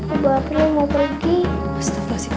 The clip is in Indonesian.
ibu april mau pergi